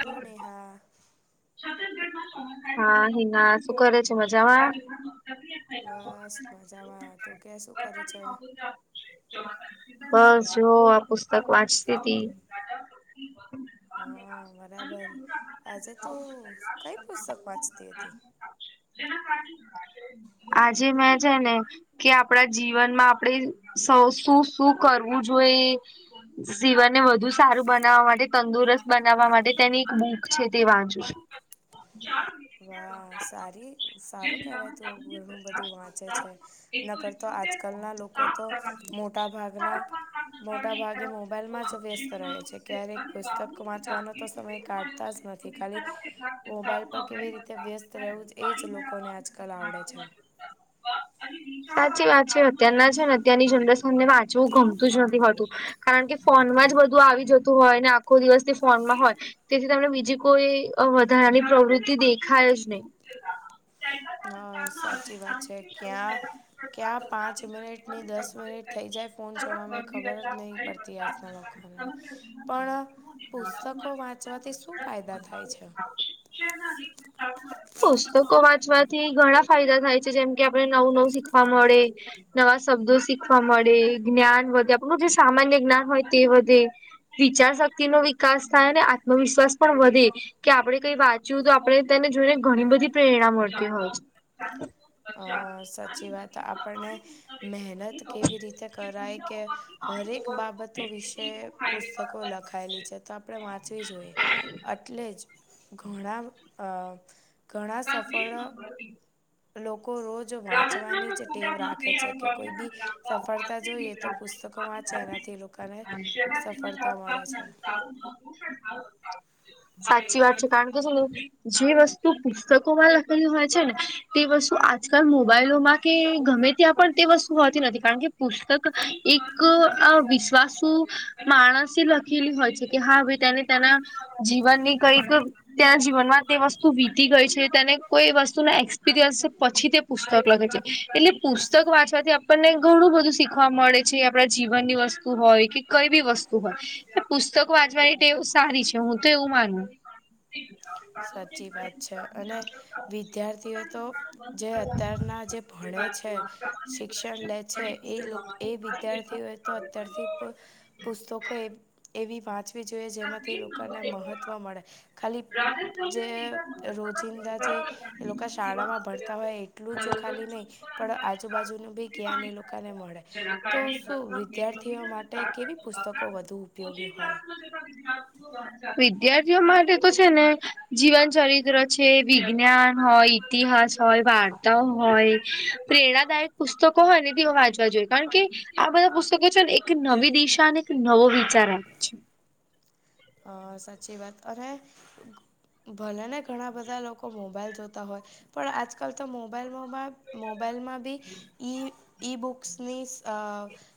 Hello Neha હા હિના શું કરે છે મજામાં? બસ મજામાં તું ક્યા શું કરે છે? બસ જો આ પુસ્તક વાંચતી હતી. હા બરાબર આજે તો કઈ પુસ્તક વાંચતી હતી આજે મેં છે ને કે આપણા જીવનમાં આપણેે સૌ, શું શું કરવું જોઈએ? સીવનને વધુ સારું બનાવવા માટે, તંદુરસ્ત બનાવવા માટે તેની એક બુક છે, તે વાંચુ છું. વાહ. સારી, સારું કેહેવાય. તું ઘણું બધું વાંચે છે. ન કરતો. આજકાલના લોકો તો મોટા ભાગના મોટા ભાગે મોબાઈલમાં જ વ્યસ્ રહે છે. ક્યારેક પુસ્તક વાંચવાનો તો સમય કાઢતા જ નથી, ખાલી મોબાઈલ પર કેવી રીતે વ્યસ્ત રહેવું જ એ જ લોકોને આજકાલ આવડે છે. સાચી વાત છે. અત્યારના છે ને અત્યારની જનરેશનને વાંચવું ગમતું જ નથી હોતું. કારણ કે ફોનમાં જ બધું આવી જતું હોય ને, આખો દિવસથી ફોનમાં હોય. તેથી તમને બીજી કોઈ વધારાની પ્રવૃત્તિ દેખાય જ નહી. હા, સાચી વાત છે. ક્યાં ક્યાં પાંચ મિનિટની દસ મિનિટ થઈ જાય, ફોન જોવામાં ખબર જ નહીં પડ તી આતના લોકોને પણ પુસ્તકો વાંચવાથી શું ફાયદા થાય છે? શેનાથી [unintelligible] પુસ્તકો વાંચવાથી ઘણા ફાયદા થાય છે, જેમ કે આપણે નવું નવું શીખવા મળે. નવા શબ્દો શીખવા મળે, જ્ઞાન વધે, આપણું જે સામાન્ય જ્ઞાન હોય તે વધે. વિચાર શક્તિનો વિકાસ થાય અને આત્મવિશ્વાસ પણ વધે. કે આપણે કઈ વાંચ્યું તો આપણે તેને જોઈને ઘણી બધી પ્રેરણા મળતી હોય. અ સાચી વાત. આપણને મહેનત કેવી રીતે કરાય કે હરેક બાબતો વિશે પુસ્તકો લખાયેલી છે. તો આપણે વાંચવી જોઈએ. એટલે જ ઘણા અ ઘણા સફળ લોકો રોજ વાંચવાની જ ટેવ રાખે છે, કે કોઈ બી સફળતા જોઈએ તો પુસ્તકો વાંચ ચે એનાથી લોકોને સફળતા મળે છે. સાચી વાત છે. કારણ કે શુંને જે વસ્તુ પુસ્તકોમાં લખેલું હોય છે ને તે વસ્તુ આજકાલ મોબાઈલોમાં કે ગમે ત્યાં પણ તે વસ્તુ હોતી નથી. કારણ કે પુસ્તક એક આ વિશ્વાસુ માણસ લખેલી હોય છે, કે હા ભાઈ તેને તેના જીવનની કઈક ત્યાં જીવનમાં તે વસ્તુ વી એ ગઈ છે, તેને કોઈ વસ્તુના એક્સપિરિયન્સ છે. પછી તે પુસ્તક લખે છે. એટલે પુસ્તક વાંચવાથી આપ આપણને ઘણું બધું શીખવા મળે છે. આપણા જીવનની વસ્તુ હોય કે કઈ બી વસ્તુ હોય. પુસ્તકો વાંચવાની ટેવ સારી છે. હું તો એવું માનું. સાચી વાત છે. અને વિદ્યાર્થીઓ તો જે અત્યારના જે ભણે છે. શિક્ષણ લે છે. એ એ વિદ્યાર્થીઓ એ તો અત્યારથી પુસ્તકો એવી વાંચવી જોઈએ, જેમાંથી લોકોને મહત્વ મળે ખાલી જે રોજિંદા જે એ લોકો શાળામાં ભણતા હોય, એટલું જ ખાલી નહીં. પણ આજુબાજુનું બી જ્ઞાન એ લોકોને મળે, તો શું? વિદ્યાર્થીઓ માટે કેવી પુસ્તકો વધુ ઉપયોગી હોય. વિદ્યાર્થીઓ માટે તો છે ને જીવન ચલિત્ર ચિત્ર છે બી. વિજ્ઞાન હોય, ઈતિહાસ હોય, વાર્તા હોય, પ્રેરણાદાયક પુસ્તકો હોય ને તેઓ વાંચવા જોઈએ. કારણ કે આ બધા પુસ્તકો છે ને, એક નવી દિશા અને એક નવો [unintelligible] અ સાચી વાત. અરે! ભલેને ઘણા બધા લોકો મોબાઈલ જોતા હોય, પણ આજકાલ તો મોબાઈલમાં પન મોબાઈલમાં બી ઈ, ઈ બુક્સની સ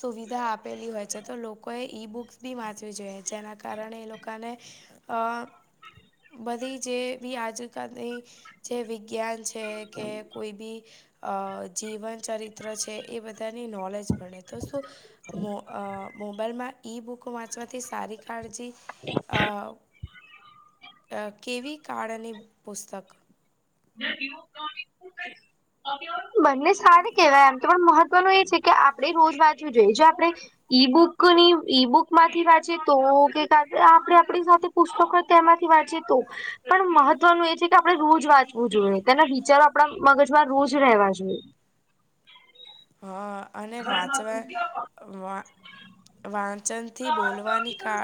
સુવિધા આપેલી હોય છે, તો લોકોએ ઈ બુક્સ બી વાંચવી જોઈએ. જેના કારણે લોકોને અ બધી જે બી આજકાલની જે વિજ્ઞાન છે કે કોઈ બી અ જીવન ચરિત્ર છે એ બધા. પોતાની નૉલેજ મળે તો શું મો મોબાઈલમાં. ઈ બુક વાંચવાથી સારી કાળજી. અ. કેવી કાળ અને પુસ્તક. [unintelligible] બંને સાર કેવાય એમ તો પણ મહત્વનું એ છે કે આપણેે રોજ વાંચવું જોઈએ જે આપણેે. ઈ બુક ની ઈ બુક માંથી વાંચે તો કે આપડે આપણી સાથે. પુસ્તકો તેમાંથી વાંચે તો પણ મહત્વનું એ છે કે આપણે રોજ વાંચ શું જોઈએ તેના વિચારો આપણા મગજમાં રોજ રહેવા જોઈએ. હા અને વાંચવા વા વા. વચનથી બોલવાની કા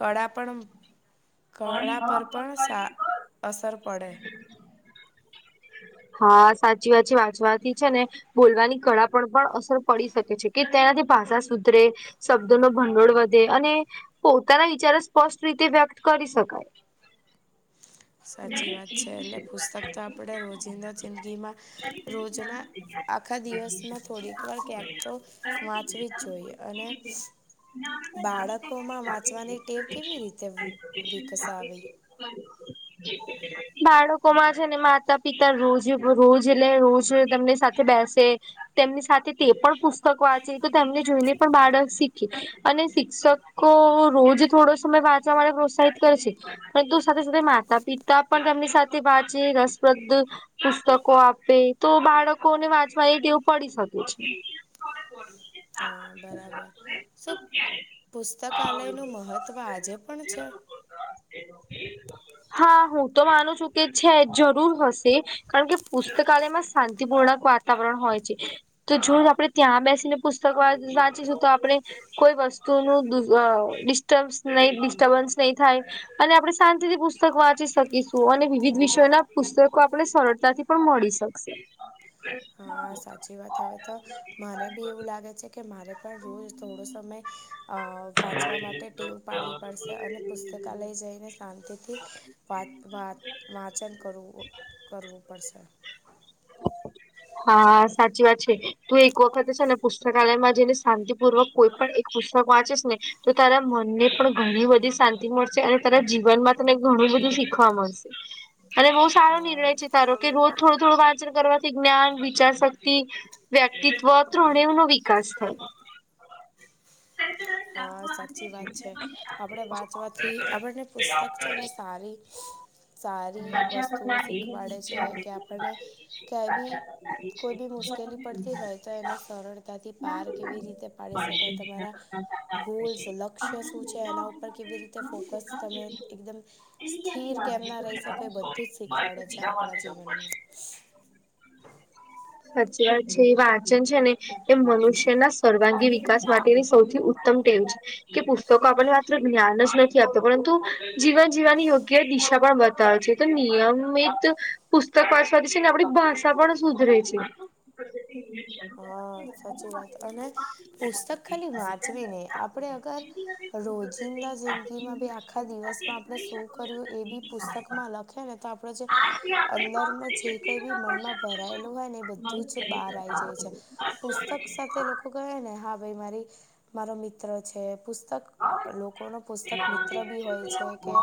કળા પણ. કળાપર પણ સા અસર પડે. હા સાચી વાત છે વાંચવાથી છે ને બોલવાની કળા. પણ અસર પડી શકે છે કે તેનાથી ભાષા સુધરે શબ્દો ન ભંડોળ વધે અને. પોતાના વિચારો સ્પષ્ટ રીતે વ્યક્ત કરી શકાય. સાચી વાત છે એટલે પુસ્તક તો આપણે રોજિંદા જિંદગીમાં રોજના. આખા દિવસમાં થોડીક વાર ક્યાંક તો વાંચવી જ જોઈએ અને. [unintelligible] [unintelligible] બાળકોમાં વાંચવાની ટેવ કેવી રીતે વિકસાવી બાળકો માં છે ને માતા પિતા રોજ રોજ એટલે રોજ તમને સાથે બેસે. તેમની સાથે તે પણ પુસ્તક વાંચે તો તેમને જોઈને પણ બાળક શીખ. અને શિક્ષકો રોજ થોડો સમય વાંચવા માટે પ્રોત્સાહિત કરે છે. પરંતુ સાથે સાથે માતા પિતા પણ તેમની સાથે વાચે રસપ્રદ. પુસ્તકો આપે તો બાળકોને વાંચવા એ ટેવ પડી શકે છે. [inaudible] હા બરાબર [unintelligible] પુસ્તકાલયનું મહત્ત્વ આજે પણ છે. હા હું તો માનું છું કે છે જરૂર હશે. કારણ કે પુસ્તકાલયમાં શાંતિપૂર્ણક વાતાવરણ હોય છે. તો જો આપણે ત્યાં બેસીને પુસ્તક વા વાંચીશું તો આપણે. કોઈ વસ્તુ નું ડિસ્ટન ડિસ્ટર્બન્સ નહી થાય. અને આપણે શાંતિથી પુસ પુસ્તક વાંચી શકીશું અને વિવિધ વિષયોના પુસ્તકો આપને સરળતાથી પણ મળી શકશે. હા સાચી વાત હવે તો મને બી એવું લાગે છે કે મારે. પર રોજ થોડો સમય. અ વાંચવા માટે ટેવ પાડવી પડશે અને પુસ્તકાલય જઈને શાંતિથી. વાત વાત વાચન કરવું કરવું પડશે. હા સાચી વાત છે તું એક વખતે છે ને પુસ્તકાલયમાં જઈને. શાંતિપૂર્વક કોઈ પણ એક પુસ્તક વાંચીસ ને તો તારા મનને પણ ઘણી બધી શાંતિ. મળશે અને તારા જીવનમાં તને ઘણું બધું શીખવા મળશે અને બહુ સારો હા, નિર્ણય છે તારો. કે રોજ થોડું થોડું વાચન કરવાથી જ્ઞાન વિચાર શક્તિ. વ્યક્તિત્વ ત્રણેવ નો વિકાસ થાય. હા સાચી વાત છે આપણે વાંચવાથી આપણને પુસ્તક છે ને સારી. સારી વસ્તુઓ શીખવાડે છે કે આપણને ક્યાય બી. કોઈ બી મુશ્કેલી પડતી હોય તો એને સરળતાથી પાર કેવી રીતે પાડી શકાય તમારા. ગોલ્સ લક્ષ્ય શું છે એના ઉપર કેવી રીતે ફોકસ તમે એકદમ. સ્થિર કેમ ના રહી શકો એ બધું જ શીખવાડે છે આપણા જીવનમાં. સાચ્છી વાત છે એ વાંચન છે ને એ મનુષ્યના. સર્વાંગી વિકાસ માટેની સૌથી ઉત્તમ ટેવ છે. કે પુસ્તકો આપણને માત્ર જ્ઞાન જ નથી આપત પરંતુ જીવન જીવવાની યોગ્ય દિશા પણ બતાવે છે. તો નિયમિત પુસ્તક વાચવાથી છે ને આપણી ભાષા પણ સુધરે છે. [unintelligible] હા સાચી વાત અને પુસ્તક ખાલી વાંચવી નઈ આપડે અગર રોજિંદા જિંદગીમાં બી આખા દિવસમાં આપણે શું કર્યું એ બી પુસ્તકમાં લખે ને તો આપણે જે અંદરમાં જે કઈ બી મનમાં ભરાયેલું હોય ને એ બધું જ બહાર આવીઈ જાય છે. પુસ્તક સાથે લોકો કહે ને હા ભાઈ મારી મારો મિત્ર છે પુસ્તક લોકો ન પુસ્તક મિત્ર બી હોય છે કે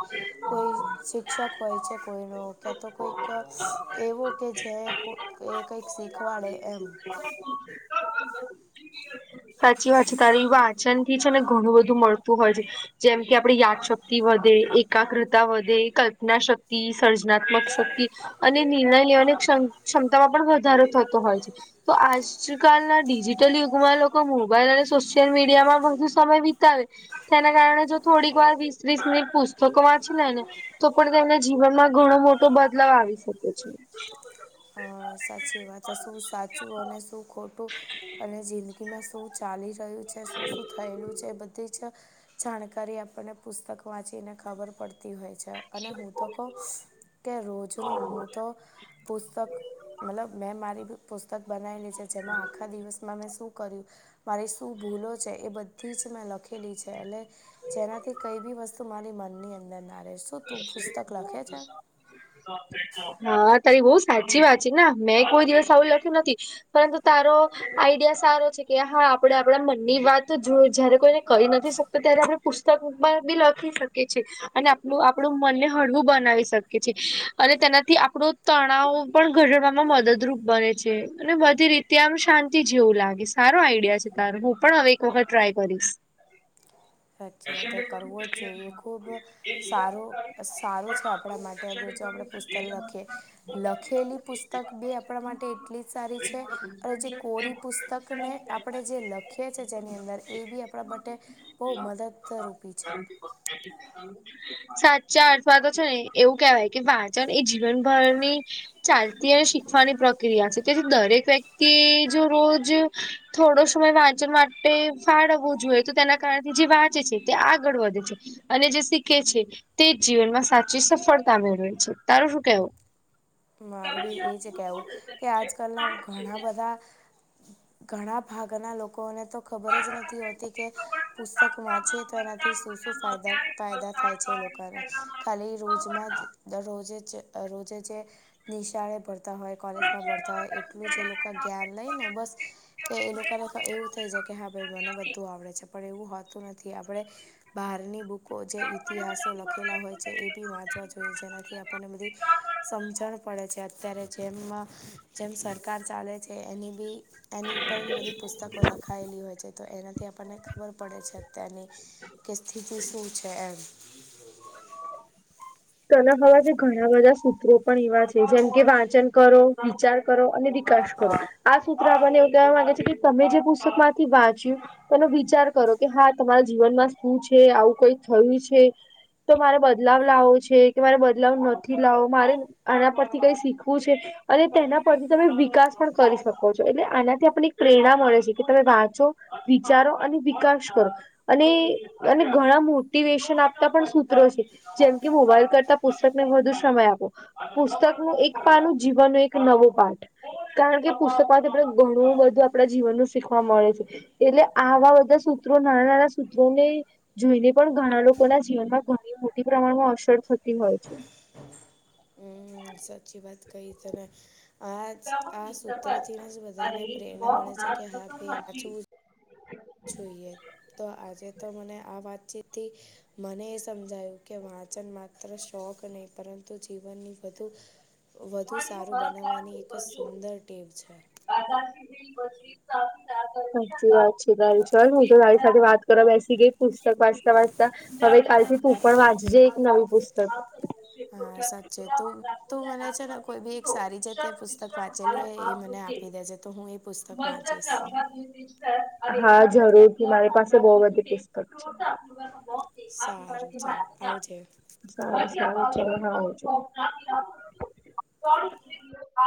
કોઈ શિક્ષક હોય છે કોઈનો ક્યા તો કોઈક એવો કે જે એ કઈક શીખવાડે એમ સાચી વાત છે તારે વા વાચન થી છે ને ઘણું બધું મળતું હોય છે. જેમ કે આપણી યાદશક્તિ વધે એકાગ્રતા વધે કલ્પના શક્તિ સર્જનાત્મક શક્તિ અને નિર્ણય લેવાની ક્ષ ક્ષમતામાં પણ વધારો થતો હોય છે. તો આજકાલના ડિજિટલ યુગમાં લોકો મોબાઈલ અને સોશિયલ મીડિયામાં વધુ સમય વિત તેના કારણે જો થોડીક વાર વીસ ત્રીસ મિનિટ પુસ્તકો વાંચી લે ને તો પણ તેને જીવનમાં ઘણો મોટો બદલાવ આવી શકે છે. અ સાચી વાત શું સાચું અને શું ખોટું અને જિંદગી કીમાં શું ચાલી રહ્યું છે શું શું થયેલું છે બધી જ જાણકારી આપણને પુસ્તક વાંચીને ખબર પડતી હોય છે. અને હું તો કહ કે રોજ ન હું તો પુસ્તક મતલબ મેં મારી પુસ્તક બનાવેલી છે જેમાં આખા દિવસમાં મેં શું કર્યું મારી શું ભૂલો છે એ બધી જ મેં લખેલી છે એટ જેનાથી કઈ બી વસ્તુ મારી મનની અંદર ના રહે શું તું પુસ્તક લખે છે. હા તારી બહ સાચી વાત છે ના મેં કોઈ દિવસ આવું લખ્યું નથી. પરંતુ તારો આઈડિયા સારો છે કે હા આપણે આપડા મનની વાત જો જયારે કોઈને કહી નથી શક તો ત્યારે આપણે પુસ્તકમાં બી લખી શકીએ છીએ અને એલું આપડું મનને હળવું બનાવી શકીએ છેએ અને તેનાથી આપણો તણાવ પણ ઘડડવામાં મદદરૂપ બને છે અને બધી રીતે આમ શાંતિ જેવું લાગી છે. સારો આઈડિયા છે તારો હું પણ હવે એક વખત ટ્રાય કરીશ. સાચી વાત કરવો જ જોઈએ ખુબ સારું સારું છે આપણા માટે અગર જો આપણે પુસ્તક લખીએ લખેલી પુસ્તક બી આપણા માટે એટલી જ સારી છે. અને જે કોરી પુસ્તકને આપણે જે લખીએ છીએ જેની અંદર એ બી આપણા બ ઓહ મદદરૂપી છે. એ તને સાચા અથવા તો છે ને એવું કેહેવાય કે વાચન એ જીવનભરની ચાલતી અને શીખવાની પ્રક્રિયા છે તેથી દરેક વ્યક્તિ જો રોજ થોડો સમય વાંચન માટે ફાળવવો જોઈએ તો તેના કારણેથી જે વાંચે છે તે આગળ વધે છે. અને જેી કે છે તે જીવનમાં સાચી સફળતા મેળવે છે તારો શું કેવો મારું બી એ છે કેવું કે આજકાલના ઘણા બધા ઘણા ભાગના લોકોને તો ખબર જ નથી હોતી કે પુસ્તક વાંચીએ તો એનાથી શું શું ફાયદા ફાયદા થાય છે લોકોને ખાલી રોજમાં રોજે રોજે જે નિશાળે પડતી હોય કોલેજમાં ભરતા હોય એટલું જ એ લોકો જ્ઞાન લઈ ને બસ કે એ લોકોને એવું થઈ જાય કે હા ભાઈ મને બધું આવડે છે પણ એવું હોતું નથી આપણે બહારની બુકો જે ઈતિહાસો લખેલા હોય છે એ બી વાંચવા જોઈએ જેનાથી આપણને બધી સમજણ પડે છે અત્યારે જેમ જેમ સરકાર ચાલે છે એની બી એની ઉપર ભી બધી પુસ્તકો લખાયેલી હોય છે. તો, એનાથી આપણને ખબર પડે છે. અત્યારની કે સ્થિતિ શું છે? એમ. તને ખબર છે, ઘણા બધા સૂત્રો પણ એવા છે, જેમ કે વાંચન કરો, વિચાર.... કરો અને વિકાસ કરો. આ સૂત્ર આપણને એવું કેવા માંગે છે, કે તમે જે પુસ્તક માંથી વાંચ્યું..... તેનો વિચાર કરો કે હા, તમારા જીવનમાં શું છે? આવું કંઈ થયું છે, તો મારે બદલાવ લાવવો છે. છે કે મારે બદલાવ નથી લાવવો. મારે આના પરથી કંઈ શીખવું છે. અને તેના પરથી તમે વિકાસ પણ કરી શકો છો. એટલે, આનાથી આપણને એક પ્રેરણા મળે છે, કે તમે વાંચો. વિચારો અને વિકાસ કરો. અને અને ઘણા મોટિવેશન આપતા પણ સૂત્રો છે, જેમ કે મોબાઈલ..... કરતા પુસ્તકને વધુ સમય આપો. પુસ્તકનું એક પાનું જીવન નો એક નવો પાઠ. કારણ કે પુસ્તકમાંથી આપણે, ઘણું બધું આપણા જીવન નું શીખવા મળે છે. એટલે આવા બધા સૂત્રો નાના-નાના સૂત્રોને..... જોઈને પણ, ઘણા લોકોના જીવનમાં ઘણી મોટી પ્રમાણમાં અસર થતી હોય છે. બહુ સાચી વાત કહી. તમે..... આજ આ સૂત્ર થી ને જ બધાને પ્રેરણા મળે છે, કે હા પાછું.... જોઈએ. તો આજે તો મને આ વાતચીતથી. મને એ સમજાયું કે, વાંચન માત્ર શોખ નહી, પરંતુ જીવનની વધુ... વધુ સારું બનાવવાની એક જ સુંદર ટેવ છે. દા [inaudible] હા સાચી વાત છે તારી, ચલ! હું તો તારી સાથે વાત કરવા બેસી ગઈ. પુસ્તક વાંચતા-વાંચતા. હવે, કાલથી તું પણ વાંચજે. એક નવું પુસ્તક. શ હા સાચે તું રાખુના તું મને [inaudible] કોઈ ભી એક સારી જે તે પુસ્તક વાંચેલી હોય એ મને આપી દેજે, તો હું એ પુસ્તક વાંચીશ. હા, જરૂર થી મારી પાસે બહુ બધી પુસ્તક છે. સારું ચાલ આવજે. હા, સારું ચલો આવજો.